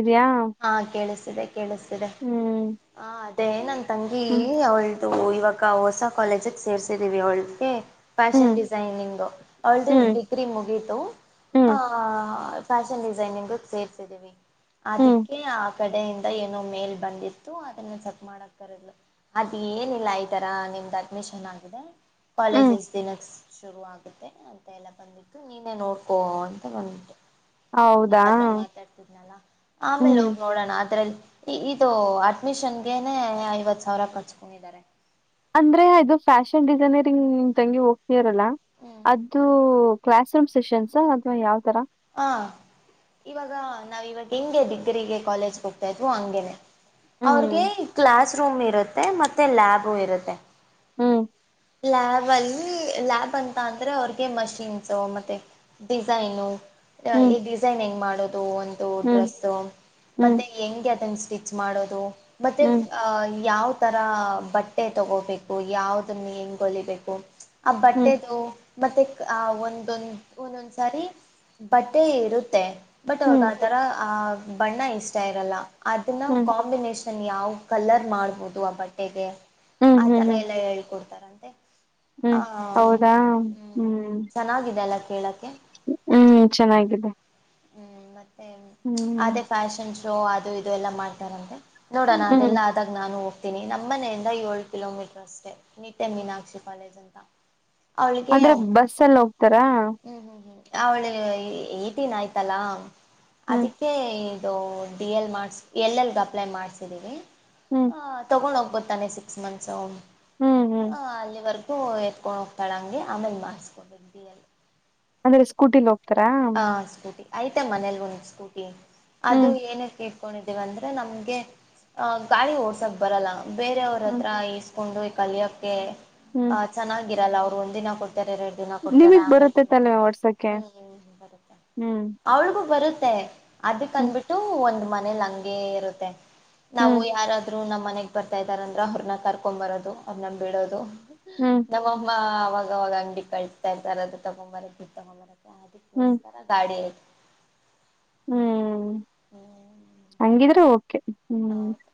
ಇದಿಯಾ ಹಾ ಕೇಳಿಸ್ತೀದೆ ಕೇಳಿಸ್ತಿದೆ ಹ ಅದೇ ನನ್ ತಂಗಿ ಹ್ಮ್ ಅವ್ಳ ಇದು ಇವಾಗ ಹೊಸ ಕಾಲೇಜ್ ಗೆ ಸೇರ್ಸಿದೀವಿ ಅವಳಗೆ. ಫ್ಯಾಷನ್ ಹ್ಮ್ ಡಿಸೈನಿಂಗು ಅವಳದು ಹ್ಮ್ ಡಿಗ್ರಿ ಮುಗೀತು ಆ. ಹ್ಮ್ ಫ್ಯಾಷನ್ ಡಿಸೈನಿಂಗ್ ಸೇರ್ರಿಸಿದೀವಿ ಆದಿ ಹ್ಮ್ ಆ ಕಡೆಯಿಂದ ಏನೋ ಮೇಲ್ ಬಂದಿತ್ತು ಅದನ್ನ ಚೆಕ್ ಮಾಡಕ್ ಅದ ಏನಿಲ್ಲ ಈ ತರ ನಿಮ್ದ್ ಅಡ್ಮಿಷನ್ ಆಗಿದೆ. ಹ್ಮ್ ಕಾಲಜಸ್ ದಿನ ಶುರು ಆಗ ಅಂತ ಎಲ್ಲ ಬಂದಬಿಟ್ಟು ನೀನೇ ನೋಡ್ಕೋ ಅಂತ ಬಂದ್ಬಟ್ಟು ನಿವ್ ಹೌದಾ ಹತ್ರ ಮಾತಾಡ್ತಿದ್ನಲ್ಲ ಆಮೇಲೆ ಹ್ಮ್ ಹೋಗಿ ನೋಡೋಣ ಅದ್ರಲ್ಲಿ. ಇದು ಅಡ್ಮಿಷನ್ಗೆನೆೇ ಐವತ್ತು ಸಾವಿರ ಕಟ್ಟಿಸ್ಕೊಂಡಿದ್ದಾರೆ. ಅಂದ್ರೆ ಇದು ಫ್ಯಾಷನ್ ಡಿಸೈನರಿಂಗ್ ನಿಮ್ ತಂಗಿ ಹೋಗ್ತರಲ್ಲ ಹ್ಮ್ ಅದ್ ಅದು ಕ್ಲಾಸ್ ರೂಮ್ ಸೆಷನ್ಸ್ ಅಥ್ವಾ ಯಾವ್ ತರ. ಹ ಇವಾಗ ನಾವ ಇವಾಗ ಹೆಂಗೆ ಡಿಗ್ರಿಗೆ ಕಾಲೇಜ್ ಹೋಗ್ತಾ ಇದ್ವು ಹಂಗೇನೆ. ಅವ್ರಿಗೆ ಹ್ಮ್ ಕ್ಲಾಸ್ ರೂಮ್ ಇರುತ್ತೆ ಮತ್ತೆ ಲ್ಯಾಬ್ ಇರುತ್ತೆ. ಹ್ಮ್ ಲ್ಯಾಬ್ ಅಲ್ಲಿ ಲ್ಯಾಬ್ ಅಂ ಅಂದ್ರೆ ಅವ್ರಿಗೆ ಮಷೀನ್ಸ್ ಮತ್ತೆ ಡಿಸೈನು. ಹ್ಮ್ ಈ ಡಿಸೈನ್ ಹೆಂಗ್ ಮಾಡೋದು ಒಂದು ಹ್ಮ್ ಡ್ರೆಸ್ ಹ್ಮ್ ಮತ್ತೆ. ಹೆಂಗೆ ಅದನ್ನ ಸ್ಟಿಚ್ ಮಾಡೋದು ಮತ್ತೆ. ಹ್ಮ್ ಅಹ ಯಾವ್ ತರ ಬಟ್ಟೆ ತಗೋಬೇಕು ಯಾವದನ್ನ ಹೇಗ್ ಹೋಲಿಬೇಕು. ಆ ಹ್ಮ್ ಬಟ್ಟೆದು ಮತ್ತೆ ಒಂದೊಂದು ಒಂದೊಂದ್ಸಾರಿ ಬಟ್ಟೆ ಇರುತ್ತೆ ಬಟ್ ಅವ್ರಗ ಹ್ಮ್ ಆತರ ಆ ಬಣ್ಣ ಇಷ್ಟ ಇರಲ್ಲ. ಅದನ್ನ ಹ್ಮ್ ಕಾಂಬಿನೇಷನ್ ಯಾವ ಕಲರ್ ಮಾಡ್ಬೋದು ಆ ಬಟ್ಟೆಗೆ. ಹ್ಮ್ ಆ ಹ್ಮ್ ತರ ಹ್ಮ್ ಎಲ್ಲಾ ಹೇಳ್ಕೊಡ್ತಾರಂತೆ. ಆ ಹ್ಮ್ ಹೌದಾ ಹ್ಮ್ ಚೆನ್ನಾಗಿದೆ ಅಲ್ಲ ಕೇಳಕ್ಕೆ ಹ್ಮ್ ಚೆನ್ನಾಗಿದೆ ಹ್ಮ್ ಮತ್ತೆ ಹ್ಮ್ ಅದೇ ಫ್ಯಾಷನ್ ಶೋ ಅದು ಇದು ಎಲ್ಲ ಮಾಡ್ತಾರಂತೆ. ನೋಡೋಣ ಹ್ಮ್ ಅದೆಲ್ಲ ನಾನು ಹೋಗ್ತನಿ ನಮ್ಮ ಮನೆಯಿಂದ ಏಳು ಕಿಲೋಮೀಟರ್ ಅಷ್ಟೇ ನಿಟ್ಟೆ ಮೀನಾಕ್ಷಿ ಕಾಲೇಜ್ [unintelligible] ಅಂದ್ರೆ ಬಸ್ ಎಲ್ಲ ಹೋಗ್ತಾರಾ ಹ್ಮ್ ಹ್ಮ್ ಹ್ಮ್ ಅವಳ ನಿತಿನ್ ಆಯ್ತಲ್ಲಾ ಹ್ಮ್ ಅದಿ ಇದು ಡಿ ಎಲ್ ಮಾಡಸ್ ಎಲ್ ಎಲ್ ಅಪ್ಲೈ ಮಾಡ್ಸಿದೀವಿ ಹ್ಮ್ ತೊಗೊಂಡ್ ಹೋಗ್ಬೋದ ತಾನೆ ಸಿಕ್ಸ್ ಮಂತ್ಸು ಹ್ಮ್ ಹ್ಮ್ ಅಲ್ಲಿವರ್ಕ್ ಎತ್ಕೊಂಡ ಹೋಗ್ತಾಳೆ ಹಾಗ ಆಮೇಲೆ ಮಾಡಿಸ್ಕೊಬೇಕು ಬಿ ಎಲ್ಲಿ ಅಂದ್ರೆ ಸ್ಕೂಟಿಲಿ ಹೋಗ್ತಾರಾ. ಹ ಸ್ಕೂಟಿ ಆಯ್ತಾ ಮನೇಲಿ ಒಂದು ಸ್ಕೂಟಿ ಅದು ಹ್ಮ್ ಏನಕ್ಕೆ ಕೊಂಡಿದೀವ ಅಂದ್ರೆ ನಮ್ಗೆ ಅ ಗಾಳಿ ಓಡ್ಸಕ್ ಬರಲ್ಲ ಬೇರೆಯವ್ರ ಹ್ಮ್ ಹತ್ರ. ಕೊಂಡು ಈ ಕಲಿಯೋಕ್ಕೆ ಹ್ಮ್ ಆ ಚೆನ್ನಾಗಿರಲ್ಲ ಅವ್ರು ಒಂದ ದಿನ ಕೊಡ್ತಾರೆ ಎ ದಿನ ಕೊಡ್ತಾರೆ ನಿಮಗ್ ಆಮೇಲೆ ಬರುತ್ತೆ ಕಡಲ್ಲ ತಾನೆ ಓಡ್ಸಕ್ಕೆ ಹ್ಮ್ ಹ್ಮ್ ಹ್ಮ್ ಹ್ಮ್ ಅವಳಗೂ ಬರುತ್ತೆ ಹ್ಮ್ ಅದಕ್ಂದಬಿಟ್ಟು ಒಂದ್ ಮನೇಲಿ ಹಂಗೇ ಇರುತ್ತೆ. ನಾವು ಹ್ಮ್ ಯಾರಾದ್ರು ನಮ್ಮನೆಗ್ ಬರ್ತಾ ಇದಾರಂದ್ರ ಅವರ್ನ ಕರ್ಕೊ ಬರೋದು ಅವ್ರನ ಬೀಳೋದು ಹ್ಮ್ ನಮ್ಮಮ್ಮ ಅವವಾಗವಾಗ ಅಂಗಡಿ ಕಳಸ್ತಾ ಇರ್ತಾರೆ ಅದು ತೊಗಗೊಂಬರ ಇದು ತಗೊಂಬರ ಹ್ಮ್ [unintelligible] ಗಾಡಿ ಹುಂ ಹ್ಮ್ ಹಂಗಿದ್ರೆ ಓಕೆ ಹುಂ ಹೌದು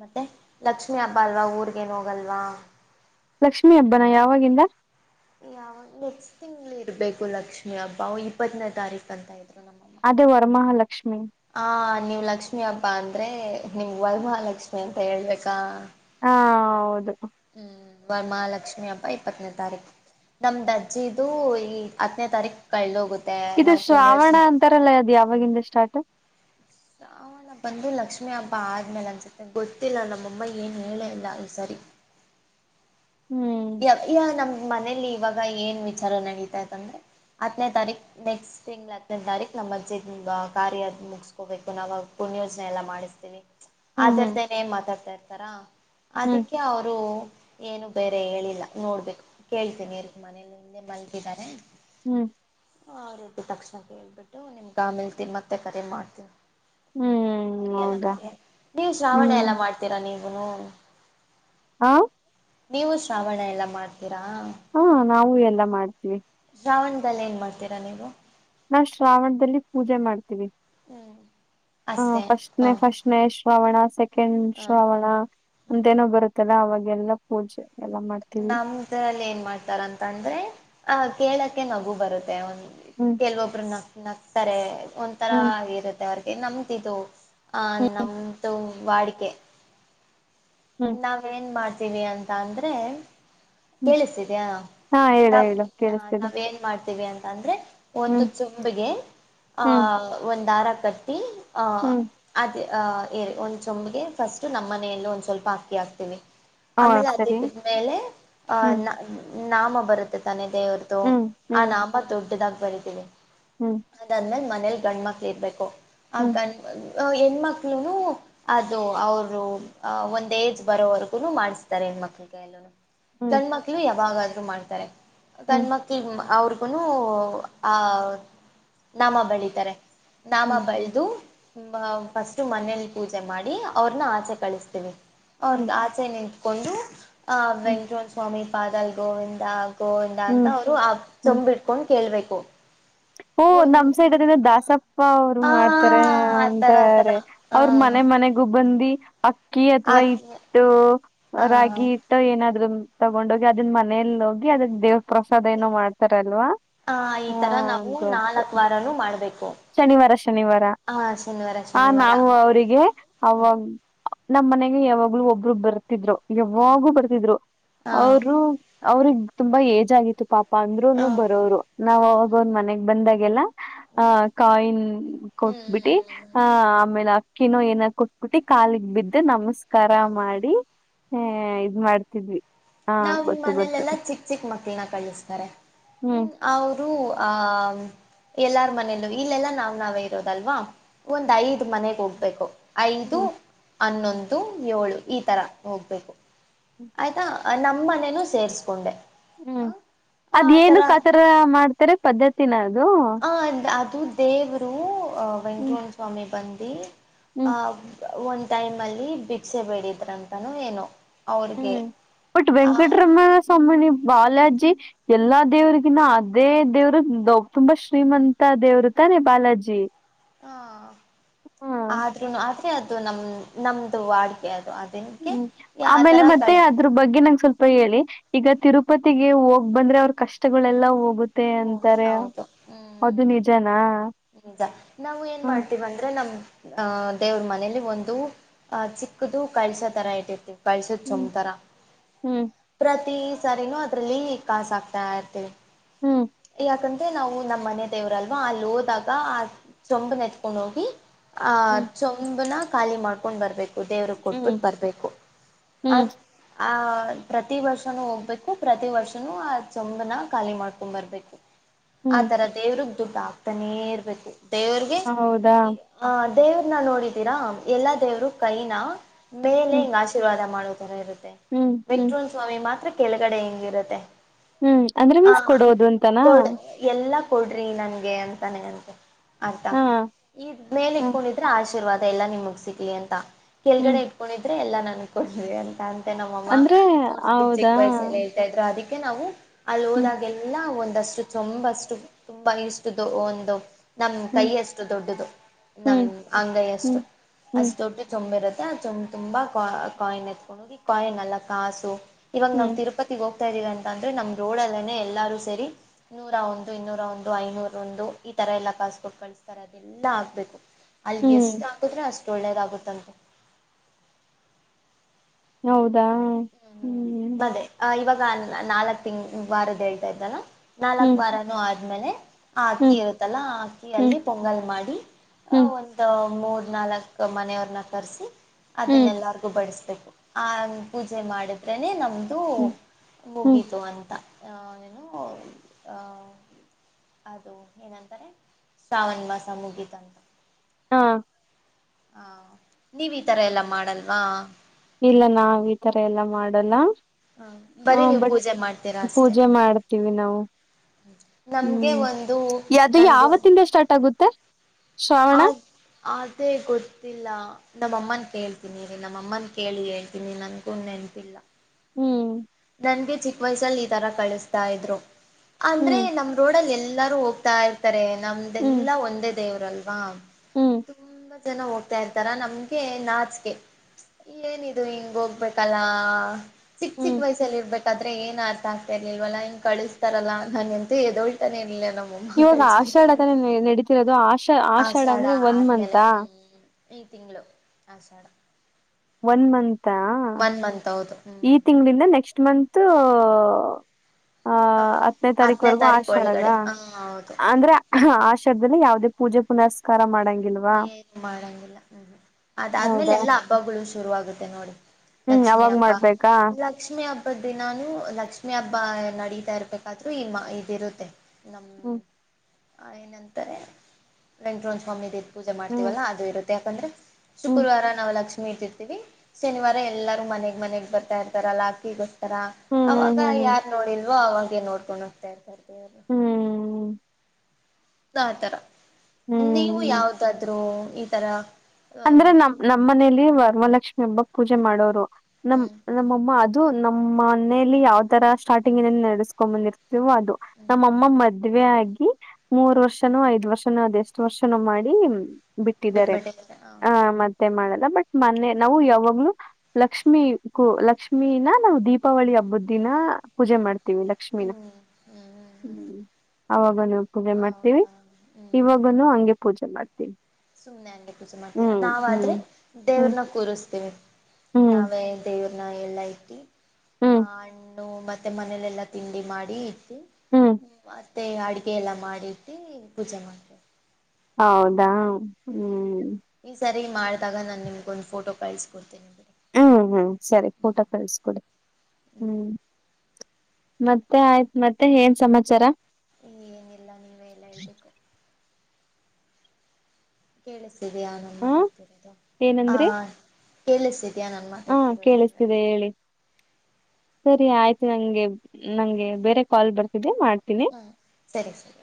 ಮತ್ತೆ ಲಕ್ಷ್ಮೀ ಹಬ್ಬಾ ಅಲ್ವಾ ಊರಿಗೇನು ಹೋಗಲ್ವಾ ಲಕ್ಷ್ಮಿ ಹಬ್ಬನಾ ಯಾವಾಗಿಂದಾ ಯಾವ ನೆಕ್ಸ್ಟ್ ತಿಂಗಳ ಇರ್ಬೇಕು ಲಕ್ಷ್ಮಿ ಹಬ್ಬಾ ಇಪ್ಪತ್ತನೇ ತಾರೀಕು ಅಂತ ಇದ್ರು ನಮ್ಮ ಅದು ವರಮಹಾಲಕ್ಷ್ಮಿ ಆ ನೀವ್ ಲಕ್ಷ್ಮಿ ಹಬ್ಬಾ ಅಂದ್ರೆ ನಿಮ್ಮಗ ವರಮಹಾಲಕ್ಷ್ಮಿ ಅಂತಾ ಹೇಳ್ಬೇಕಾ ಹಾ ಹೌದು. ಹುಂ ವರಮಹಾಲಕ್ಷ್ಮಿ ಹಬ್ಬಾ ಇಪ್ಪತ್ತನೇ ತಾರೀಕು ನಮ್ದು ಅಜ್ಜಿದು ಈ ಹತ್ತನೇ ತಾರೀಕ್ ಕಳದಹೋಗತ್ತೆ ನಾವ್ ಪುಣ್ಯೋಜನೆ ತಾರಲ್ಲ ಅದು ಯಾವಾಗಿಂದ ಸ್ಟಾರ್ಟ ಯಾವತ್ ನಾ ಬಂದು ಲಕ್ಷ್ಮಿ ಹಬ್ಬಾ ಆದಮೇಲೆ ಅನ್ನಿಸುತ್ತೆ ಗೊತ್ತಿಲ್ಲಾ ನಮ್ಮಮ್ಮ ಏನು ಹೇಳೇಲ್ಲಾ ಒಂದು ಸರಿ ಹುಂ ಈಗ ನಮ್ ಮನೇೆಯಲ್ಲಿ ಇವಾಗ ಏನ್ ವಿಚಾರ ನಡೀತಾ ಇತ್ಂದ್ರೆ ಹತ್ತನೇ ತಾರೀಕ್ ನೆಕ್ಸ್ಟ್ ತಿಂಗಳ ಹತ್ತನೇ ತಾರೀಕು ನಮ್ಮ ಅಜ್ಜಿ ಕಾರ್ಯ ಮುಗಿಸಸ್ಕೋಬೇಕು ನಾವ ಪುಣ್ಯ ಯೋಜನೆ ಎಲ್ಲಾ ಮಾಡಿ ಹ್ಮ್ ಹ್ಮ್ ಅದ್ರದ್ದನೇ ಮಾತಾಡ್ತಾ ಇರ್ತಾರಾ ಹ್ಮ್ ಅದಕ್ಕೆ ಅವರು ಏನು ಬೇರೆ ಹೇಳಿಲ್ಲಾ ನೋಡ್ಬೇಕು ಕೇಳ್ತೇನೆ ಇರಿ ಮನೇಲಿ ಹಿಂದೆ ಮಲಗಿದ್ದಾರೆ ಹುಂ ಹ ರೊಟ್ಟಿ ತಕ್ಷಣ ಕೇಳ್ಬಿಟ್ಟು ನಿಮಗ ಆಮೇಲೆನ ಮತ್ತೆ ಕರೆ ಮಾಡ್ತೀನಿ ಹ್ಮ್ ಮರಿಯಲ್ಲಾ ಹೌದಾ ನೀವು ಶ್ರಾವಣ ಹ್ಮ್ ಎಲ್ಲಾ ಮಾಡ್ತೀರಾ ನೀವುನು ಹುಂ ನೀವು ಶ್ರಾವಣ ಎಲ್ಲಾ ಮಾಡ್ತೀರಾ ಹಾ ನಾವು ಎಲ್ಲಾ ಮಾಡ್ತೀವಿ ಶ್ರಾವಣದಲ್ಲಿ ಏನು ಮಾಡ್ತೀರಾ ನೀವು. ನಾವ ಶ್ರಾವಣದಲ್ಲಿ ಪೂಜೆ ಮಾಡ್ತೀವಿ. ಹ್ಮ್ ಹ ಅಷ್ಟೇ ಫಸ್ಟ್ ಹ ನೆ ಫಸ್ಟ್ ನೆ ಶ್ರಾವಣಾ ಸೆಕೆಂಡ್ ಹ ಶ್ರಾವಣಾ ಅಂತೇಏನೋ ಬರುತ್ತಲ್ಲಾ ಅವಾಗೆಲ್ಲಾ ಪೂಜೆ ಎಲ್ಲಾ ಮಾಡ್ತ ನಮದರಲ್ಲಿ ಏನ್ ಮಾಡ್ತಾರಂತಂದ್ರೆ ಆಹ ಕೇಳಕ್ಕೆ ನಗು ಬರುತ್ತೆ ಒಂದು ಹುಂ ಕೆಲವೊಬ್ರು ನ ನಕ್ತಾರೆ ಒಂಥರಾ ಹ್ಮ್ ಆಗಿರುತ್ತೆ ಮ ಅವ್ರಿಗೆ ನಮ್ದ ಇದು ಆ ಹ್ಮ್ ನಮ್ದು ವಾಡಿಕೆ ಹ್ಮ್ ನಾವ ಎನ್ ಮಾಡ್ತೀವಿ ಅಂತ ಅಂದ್ರೆ ಹ್ಮ್ ಕೇಳಿಸಿದ್ಯಾ ಹಾ ಹೇಳ ನ್ ಹೇಳು ಕೇಳಿಸ್ತಿದೆ ನಾವೇನ್ ಮಾಡ್ತೀವಿ ಅಂತಾ ಅಂದ್ರೆ ಒಂದು ಹ್ಮ್ ಚುಂಬಗೆ ಹ್ಮ್ ಆಹ ಒಂದ ದಾರಾ ಕಟ್ಟಿ ಅ ಹ್ಮ್ ಅದೇ ಏರಿ ಒಂದ್ ಚಂಮಗೆ ಫಸ್ಟ್ ನಮ್ಮ ಮನೆಯಲ್ಲಿ ಒಂದ್ ಸ್ವಲ್ಪ್ ಬಾಕಿ ಆಗ್ತವಿ ಹಾ ಆಮೇಲೆ ಸರಿ ಅದ್ಮೇಲೆ ಆ ಹ್ಮ್ ನ ನಾಮ ಬರುತ್ತೆ ತಾನ್ನೆ ದೇವ್ರ್ದು ಹ್ಮ್ ಆ ನಾಮ ದೊಡ್ಡದಾಗಿ ಬರೀತಿದೆ ಹುಂ ಅದಾದ್ಮೇಲೆ ಮನೇಲಿ ಗಂಡ ಮಕ್ಕಳ ಇರ್ಬೇಕು ಆ ಹ್ಮ್ ಗಂಡ ಹೆಣ್ಣುಮಕ್ಕಳು ನು ಅದು ಅವರು ಅ ಒಂದ ಏಜ್ ಬರೋವರ್ಗು ಮಾಡಿಸ್ತಾರೆ ಹೆಣ್ಮಕ್ಕಳ ಕೈಲುನೂ ಹ್ಮ್ ಗಂಡ ಮಕ್ಕಳು ಯಾವಾಗಾದ್ರೂ ಮಾಡ್ತಾರೆ ಹ್ಮ್ ಗಂಡ್ ಮಕ್ಕಳ ಅವ್ರಿಗುನು ಆ ನಾಮ ಬಳಿತಾರೆ ನಾಮ ಹ್ಮ್ ಬಳದು ಫಸ್ಟು ಮನೇಲಿ ಪೂಜೆ ಮಾಡಿ ಅವ್ರನ್ನ ಆಚೆ ಕಳಸ್ತೀವಿ. ಹ್ಮ್ ಅವ್ರ್ದ ಆಚೆ ನಿಂತ್ಕೊಂಡು ಆ ಹ್ಮ್ ವೆಂಕಟಮ ಸ್ವಾಮಿ ಪಾದಲ್ ಗೋವಿಂದ ಗೋವಿಂದ ಅಂತ ಹ್ಮ್ ಅವ್ರು ಆ ಚಂಬಿಟ್ಕೊಂಡ ಕೇಳ್ಬೇಕು. ಓ ನಮ್ ಒಂದ್ ಸೈಡ ಅದನ್ನ ದಾಸಪ್ಪ ಅವ್ರ ಹಾ ಮಾಡ್ತಾರೆ ಆತರ ಆತರ ಅಂತಾರೆ. ಹ ಅವ್ರ ಮನೆ ಮನೆಗೂ ಬಂದಿ ಅಕ್ಕಿ ಅಥವಾ ಆಕಿ ಇಟ್ಟು ಆ ರಾಗಿ ಏನಾದ್ರು ತಗೊಂಡೋಗಿ ಅದನ್ನ ಮನೆಲಿ ಹೋಗಿ ಅದನ್ನ ದೇವ ಪ್ರಸಾದ ಏನೋ ಮಾಡ್ತಾರಲ್ವಾ. ಅ ಈ ಹಾ ತರ ನಾವು ಗೊತ್ತು ನಾಲ್ಕ್ ವಾರನು ಮಾಡ್ಬೇಕು. ಶನಿವಾರ ಶನಿವಾರ ಹಾ ಶನಿವಾರ ಆ ಶನಿವಾರ ನಾವು ಅವರಿಗೆ ಹ್ಮ್ ಅವಾಗ ನಮ್ಮ ಮನೆಗೆ ಯಾವಾಗ್ಲೂ ಒಬ್ರು ಬರ್ತಿದ್ರು. ಹ್ಮ್ ಯಾವಾಗೂ ಬರ್ತಿದ್ರು ಹಾ ಅವರು ಅವ್ರಗ ತುಂಬಾ ಏಜ್ ಆಗಿತ್ತು ಪಾಪ. ಅಂದ್ರುನು ಹ್ಮ್ ಬರೋರು ನಾವ್ ಹ್ಮ್ ಅವಾಗ ಒಂದ ಮನೆಗ್ ಬಂದಾಗೆಲ್ಲ ಆ ಹ್ಮ್ ಕಾಯಿನ್ ಹ್ಮ್ ಕೊಟ್ಬಿಟ್ಟಿ ಹ್ಮ್ ಆ ಆಮೇಲೆ ಕಿನೋ ಏನ ಕುಟ್ಕಟ್ಟಿ ಕಾಲಿಗ್ ಬಿದ್ದು ನಮಸ್ಕಾರ ಹೌದು ಮಾಡಿ. ಹ್ಮ ಇದ ಮಾಡ್ತಿದ್ವಿ. ಹಾ ನಾವ್ ಈ ಗೊತ್ತು ಗೊತ್ತು ಮನಲೆೆಲ್ಲಾ ಚಿಕ್ಕ ಚಿಕ್ಕ ಮಕ್ಳನ್ನ ಕಳಿಸ್ತಾರೆ ಹ್ಮ. ಹ್ಮ್ ಅವರು ಆ ಎಲ್ಲಾರ ಮನೇಲ್ಲೂ ಇಲ್ಲೆಲ್ಲಾ ನಾವ್ ನಾವೇ ಇರೋದಲ್ವಾ ಒಂದ್ ಐದ ಮನೆಗ ಹೋಗ್ಬೇಕು. ಐದು ಹ್ಮ್ ಅನ್ನೊಂದು ಏಳು ಈ ಥರ ಹೋಗಬೇಕು. ಆಯ್ತಾ ನಮ್ಮ ಮನೇನೂ ಸೇರ್ಸ್ಕೊಂಡೆ ಹ್ಮ ಆ ಅದ ಆತರ ಏನಕತರ ಮಾಡ್ತಾರೆ ಪದ್ಧತಿನ ಅದು ಆ ಅದು ದೇವರು ಹ್ಮ್ ವೆಂಕಮಣ ಸ್ವಾಮಿ ಬಂದಿ ಹ್ಮ್ ಆ ಒಂದ್ ಟೈಮ್ ಅಲ್ಲಿ ಬಿಕ್ಸೆ ಬೇಡಿದ್ರಂತನೂ ಏನು. ಹ್ಮ ಒಟ್ ವೆಂಕಟರಮನ ಸ್ವಾಮನಿ ಬಾಲಾಜಿ ಎಲ್ಲಾ ದೇವ್ರಿಗಿನ ಅದೇ ದೇವರು ತುಂಬಾ ಶ್ರೀಮಂತ ದೇವರು ತಾನೆ ಬಾಲಾಜಿ ಹಾ ಹಾ ಆದ್ರೂನು ಆದ್ರೆ ಅದು ನಮ ನಮ್ದು ವಾಡಿಕೆ ಅದು ಅ ಹ್ಮ ಆಮೇಲೆ ಮತ್ತೆ ಅದ್ರ ಬಗ್ಗೆ ನಂಗ ಸ್ವಲ್ಪ ಹೇಳಿ ಈಗ ತಿರುಪತಿಗೆ ಹೋಗ ಬಂದ್ರೆ ಅವ್ರ ಕಷ್ಟಗಳೆಲ್ಲ ಹೋಗುತ್ತ. ಓ ಹೌದು ಹ್ಮ. ಅದು ನಿಜಾನ. ನಿಜ ನಾವು ಏನ್ ಮಾಡ್ತೀವ ಅಂದ್ರೆ ನಮ ಅ ದೇವ್ರ ಮನೇಲಿ ಒಂದು ಅ ಚಿಕ್ಕದು ಕಳಸ ತರ ಇಟ್ಟರತಿವಿ. ಕಳಸದ ಹ್ಮ್ ಚಮತರ ಹ್ಮ್ ಪ್ರತಿ ಸರಿನೂ ಅದ್ರಲ್ಲಿ ಕಾಸ ಆಗ್ತಾ ಇರ್ತವಿ. ಹ್ಮ ಯಾಕಂದ್ರೆ ನಾವು ನಮ್ಮ ಮನೆ ದೇವ್ರಲ್ವಾ ಅಲ್ಲಿ ಹೋದಾಗ ಆ ಚೊಂಬನೆಚ್ಕೊಂಡ ಹೋಗಿ ಆ ಚೊಂಬನ ಖಾಲಿ ಮಾಡ್ಕೊಂಡ ಬರ್ಬೇಕು. ದೇವ್ರ ಹ್ಮ್ ಕೊಟ್ಬಿಟ್ಟು ಬರಬೇಕು ಹ್ಮ್ ಅದ ಹ್ಮ್ ಆ ಪ್ರತಿ ವರ್ಷನೂ ಹೋಗ್ಬೇಕು ಪ್ರತಿ ವರ್ಷವೂ ಆ ಚೊಂಬನ ಖಾಲಿ ಮಾ ಬರ್ಬೇಕು ಹ್ಮ್ ಆತರ ದೇವ್ರಗ ದುಡ್ಡು ಆಗ್ತಾನೇ ಇರ್ಬೇಕು. ದೇವ್ರಗೆ ಹೌದಾ ಹಾ ದೇವ್ರನ್ನ ನೋಡಿದೀರಾ ಎಲ್ಲಾ ದೇವರು ಕೈನ ಮೇಲೆ ಹ್ಮ್ ಹಿಂಗ ಆಶೀರ್ವಾದ ಮಾಡು ತರ ಇರುತ್ತೆ ಹ್ಮ್ ಹ್ಮ್ ಮೆಟ್ರೋನ್ ಸ್ವಾಮಿ ಮಾತ್ರ ಕೆಳಗಡೆ ಹಿಂಗಿರುತ್ತೆ. ಹ್ಮ ಅಂದ್ರೆ ಆ ಮೀನ್ಸ್ ಕೊಡೋದು ಅಂತಾನ. ಕೊಡ್ ಎಲ್ಲಾ ಕೊಡ್ರಿ ನನ್ಗೆ ಅಂತಾನೆ ಅಂತೆ ಆಯ್ತಾ ಹಾ ಈ ಮೇಲೆ ಹ್ಮ್ ಕು ಆಶೀರ್ವಾದ ಎಲ್ಲ ನಿಮಗ ಸಿಗ್ಲಿ ಅಂತ ಹ್ಮ್ ಕೆಳ್ಗಡೆ ಇಟ್ಕೊಂಡಿದ್ರೆ ಎಲ್ಲಾ ನನ್ಕೊಂಡ್ರಿ ಅಂತ ನಮ್ಮಮ್ಮ ಅಂದ್ರೆ ತೊಡ್ಬಿಟ್ಟ ಚಿಕ್ಕ ವಯಸ್ಸ ಹೌದಾ ಎಲ್ಲ ಹೇಳ್ತಾ ಇದ್ರು ಅದಕ್ಕೆ ನಾವು ಅಲ್ಲಿ ಹ್ಮ್ ಹೋದಾಗೆಲ್ಲ ಎಲ್ಲ ಒಂದಷ್ಟ ಚೊಂಬಷ್ಠ ತುಂಬಾ ಇಷ್ಟ್ದ ಒಂದು ನಮ್ ಕೈ ಹ್ಮ್ ಅಷ್ಟು ದೊಡ್ಡದು ನಮ್ ಹ್ಮ್ ಅಂಗೈ ಅಷ್ಟು ಹ್ಮ್ ಹ್ಮ್ ಅಷ್ಟ ದೊಡ್ಡ ಚೊಂಬ ಇರುತ್ತೆ ಆ ಚೊಂಬೆ ತುಂಬಾ ಕಾಯಿನ್ ಎತ್ಕೊಂಡು ಹೋಗಿ ಕಾಯಿನ್ ಅಲ್ಲ ಕಾಸು ಇವಾಗ ನಾವು ಹ್ಮ್ ತಿರು ಇಪ್ಪತ್ತಿಗೆ ಹೋಗ್ತಾ ಇದೀ ಅಂದ್ರ ನಮ್ ರೋಡ್ ಅಲ್ಲೇ ನೆ ಎಲ್ಲಾರೂ ಸೇರಿ ನೂರ ಒಂದು ಇನ್ನೂರ ಒಂದು ಐನೂರ ಒಂದು ಈ ತರ ಎಲ್ಲ ಕಾಸಗಳು ಕಳಿಸ್ತಾರೆ ಅದ ಎಲ್ಲಾ ಆಗ್ಬೇಕು ಅಲ್ಲಿಗೆ ಹ್ಮ್ ಎಷ್ಟು ಆಕುದ್ರೆ ಅಷ್ಟು ಒಳ್ಳೇದ ಆಾಗುತ್ತಂತೆ ಹೌದಾ ಹ್ಮ್ ಹ್ಮ್ ಮತ್ತೆ ಆ ಇವಾಗ ನಾಲ್ಕ್ ತಿಂಗ್ ವಾರದ ಹೇಳ್ತಾ ಇದ್ದಾನ ನಾಲ್ಕ್ ಹ್ಮ್ ವಾರಾನೂ ಆದ್ಮೇಲೆ ಆ ಅಕ್ಕಿ ಹ್ಮ್ ಇರುತ್ತಲ್ಲ ಆ ಅಕ್ಕಿಯ ಹ್ಮ್ ಅಲ್ಲಿ ಪೊಂಗಲ್ ಮಾಡಿ ಅ ಹ್ಮ್ ಒಂದು ಮೂರ್ ನಾಲ್ಕ್ ಮನೆಯವ್ರನ್ನ ಕರೆಸಿ ಹ್ಮ್ ಅದನ್ನೆಲ್ಲಾರ್ಗು ಬಡಸ್ಬೇಕು ಆ ಪೂಜೆ ಮಾಡಿದ್ರನೆ ನಮ ಅದು ಹ್ಮ್ ಹ್ಮ್ ಮುಗಿತು ಅಂತ ಏನು ಅದು ಏನಂತಾರೆ ಶ್ರವಣ ಮಾಸ ಮುಗಿತು ಅಂತ ಹಾ ಹಾ ನೀವ ಈ ತರ ಎಲ್ಲಾ ಮಾಡಲ್ವಾ ಇಲ್ಲ ನಾವ್ ಈ ತರ ಎಲ್ಲಾ ಮಾಡೋಲ್ಲ ಹ ಹಾ ಬರೀ ನೀವು ಬಟ್ ಪೂಜೆ ಮಾಡ್ತೀರಾ ಅಷ್ಟೆ ಪೂಜೆ ಮಾಡ್ತೀವಿ ನಾವು ನಮಗೆ ಹ್ಮ್ ಒಂದು ಅದು ನನಗೂ ಯಾವತ್ತಿಂದ ಸ್ಟಾರ್ಟ್ ಆಗುತ್ತೆ ಶ್ರಾವಣ ಆ ಅದೇ ಗೊತ್ತಿಲ್ಲ ನಮ್ಮ ಅಮ್ಮನ್ ಕೇಳ್ತೀನಿ ರೀ ನಮ್ಮಮ್ಮನ್ ಕೇಳಿ ಹೇಳ್ತೀನಿ ನನ್ಗು ನೆನಪಿಲ್ಲ ಹ್ಮ್ ನನ್ಗೆ ಚಿಕ್ಕ ವಯಸ್ಸಲ್ಲಿ ಈ ತರ ಕಳಿಸ್ತಾ ಇದ್ರು ಅಂದ್ರೆ ಹ್ಮ್ ನಮ್ ರೋಡಲಿ ಎಲ್ಲಾರು ಹೋಗ್ತಾ ಇರ್ತಾರೆ ಹ್ಮ್ ನಮ್ದೆಲ್ಲಾ ಒಂದೇ ದೇವ್ರಲ್ವಾ ಹ್ಮ್ ತುಂಬಾ ಜನ ಹೋಗ್ತಾ ಇರ್ತಾರ ನಮ್ಗೆ ನಾಚಕೆ ಏನಿದು ಹಿಂಗ ಹೋಗ್ಬೇಕಲ್ಲ ಚಿಕ್ಕ ಚಿಕ್ಕ ಹ್ಮ್ ವಯಸಲ್ಲಿ ಇರ್ಬೇಕ ಆದ್ರೆ ಏನ್ ಅರ್ಥ ಆಗ್ತಾ ಇರ್ಲಿಲ್ವಲ್ಲ ಹಿಂಗ ಕಳಿಸ್ತಾರಲ್ಲ ನಾನ ಎಂತ ಎದೋಳ್ತಾನೇ ಇರ್ಲಿಲ್ಲ ನಮಗೆ ಇವಾಗ ಆಷಾಢ ತಾನ ನಡೀತಿರೋದು ಆಷಾ ಆಷಾಢ ಅಂದ್ರೆ ಒನ್ ಆದ್ಮೇಲೆ ಮಂಂತಾ ಹ್ಮ್ ಈ ತಿಂಗಳು Ashada one month one month ಹೌದು ಹ್ಮ್ ಈ ತಿಂಗಳಿಂದ ನೆಕ್ಸ್ಟ್ ಮಂತ್ ಹ ಹತ್ತನೇ ತಾರೀಕ್ವರೆಗೂ ತಾರೀಕು ಆಷಾಡ ಒಳಗಡೆ ನಾ ಹ ಹೌದು ಅಂದ್ರೆ ಹಾ ಆಷರದಲ್ಲಿ ಯಾವವುದೇ ಪೂಜೆ ಪುನಸ್ಕಾರ ಮಾಡಂಗ ಏನ್ ಮಾಡಂಗಿಲ್ಲ ಹ್ಮ ಅದಾದ್ಮೇಲೆ ಹೌದಾ ಎಲ್ಲಾ ಹಬ್ಬಗಳು ಶುರು ಆಾಗುತ್ತೆ ನೋಡಿ ಹ್ಮ್ ಅವಾಗ ಮಾಡ್ಬೇಕಾ ಲಕ್ಷ್ಮೀ ಹಬ್ಬ ದಿನಾನು ಲಕ್ಷ್ಮೀ ಹಬ್ಬ ನಡತಾ ಇರ್ಬೇಕಾದ್ರು ಈ ಇದಿರುತ್ತೆ ನಮ್ಮ ಹ್ಮ್ ಏನಂತಾರೆ ವೆಂಕಟರಾಮ್ ಸ್ವಾಮಿ ದೇ ಪೂಜೆ ಹ್ಮ್ ಮಾಡ್ತೀವಲ್ಲ ಅದು ಇರುತ್ತೆ ಯಾಕಂದ್ರೆ ಹ್ಮ್ ಶುಕ್ರವಾರ ನಾವು ಲಕ್ಷ್ಮ ಮಟ್ಟರ್ತತಿವಿ ಶನಿವಾರ ಎಲ್ಲರೂ ಮನೆಗ್ ಮನೆಗ್ ಬರ್ತಾ ಇರ್ತಾರ ಅಲ್ಲಾಕಿಗ ತರ ಹ್ಮ್ ಅವಾಗ ಹ್ಮ್ ಹ್ಮ್ ಯಾರ್ ನೋಡಿಲ್ವೋ ಅವಾಗೇ ನೋಡ್ಕೊಂಡ ಹೋಗ್ತಾ ಇರ್ತಾರೆ ದೇವರು ಹ್ಮ್ ಆತರ ನೀವು ಹ್ಮ್ ಯಾವ್ದಾದ್ರು ಈ ತರ ಹ್ಮ್ ಅಂದ್ರೆ ನಮ ನಮ್ಮ್ ಮನೇಲಿ ವರಮಲಕ್ಷ್ಮಿ ಹಬ್ಬ ಪೂಜೆ ಮಾಡೋರು ನಮ ನಮ್ಮಮ್ಮ ಅದು ನಮ್ಮ ಮನೆಯಲ್ಲಿ ಯಾವ್ ತರ ಸ್ಟಾರ್ಟಿಂಗ್ ನಡೆಸ್ಕ್ ಬಂದಿರ್ತ ಅದು ನಮ್ಮಮ್ಮ ಮದ್ವೆೆ ಆಗಿ ಮೂರ್ ವರ್ಷನೋ ಐದ್ ವರ್ಷನೋ ಅದೆಷ್ಟು ವರ್ಷನೋ ಮಾಡಿ ಬಿಟ್ಟಿದ್ದಾರೆ ಹ ಹ ಮತ್ತೆ ಮಾಡಲ್ಲ ಬಟ್ ಮನ್ನೆ ನಾವು ಯವಗ್ಲು ಲಕ್ಷ್ಮಿ ಕೂ ಲಕ್ಷ್ಮಿನ ನಾವ್ ದೀಪಾವಳಿ ಹಬ್ಬದ ದಿನ ಪೂಜೆ ಮಾಡ್ತೀವಿ ಲಕ್ಷ್ಮೀನ್ ಹ್ಮ್ ಅವಾಗುನು ಪೂಜೆ ಮಾಡ್ತೀವಿ ಹೌದಾ ಹ್ಮ್ ಇವಾಗುನು ಹಂಗೆ ಪೂಜೆ ಮಾಡ್ತೀನ್ ಸುಮ್ಮನೆ ಹಂಗೆ ಪೂಜೆ ಮಾಡ್ತೀವಿ ನಾವ ಆದರೆ ಹ್ಮ್ ಹ್ಮ್ ದೇವ್ರನ್ನ ಕೂರಸ್ತೀವಿ ಹ್ಮ್ ನಾವೇ ದೇವರನ್ನ ಎಲ್ಲ ಇಟ್ಟಿ ಆ ಹ್ಮ್ ಹಣ್ಣು ಮತ್ತೆ ಮನೇಲೆಲ್ಲ ತಿಂಡಿ ಮಾಡಿ ಇಟ್ಟು ಹ್ಮ್ ಮತ್ತೆ ಅಡಗೆ ಎಲ್ಲ ಮಾಡಿಟ್ಟಿ ಪೂಜೆ ಮಾಡ್ತಿವಿ ಹೌದಾ ಹ್ಮ್ ಈ ಸರಿ ಮಾಡದಾಗ ನಾ ನಿಮಗ ಒಂದ ಫೋಟೋ ಕಳ್ಸ್ ಕೊಡ್ತೀನಿ ಬಿಡಿ ಹ್ಮ್ ಹ್ಮ್ ಸರಿ ಫೋಟೋ ಕಳಸ್ಕೊಡ್ ಹ್ಮ್ ಮತ್ತೆ ಆಯ್ತ್ ಮತ್ತೆ ಏನ್ ಸಮಾಚಾರ ಏನಿಲ್ಲ ನೀವೆ ಎಲ್ಲಾ ಹೇಳ್ಬೇಕು ಕೇಳಸ್ತಿದಿಯಾ ನಾನ ಹ ಮಾತಾಡ್ತಿರೋದು ಹ ಏನಂದ್ರಿ ಕೇಳಸ್ತಿದ್ದೆ ತಿದಿಯಾ ನಾನ್ನ ಹಾ ಮಾತಾಡ್ತಿರೋದು ಅಂದೆ ಕೇಳಿಸ್ತಿದೆ ಹೇಳಿ ಸರಿ ಆಯ್ತು ನಂಗೆ ನಂಗೆ ಬೇರೆ ಕಾಲ್ ಬರ್ತಿದ್ದೆ ಮಾಡ್ತ ಹ ಸರಿ ಸರಿ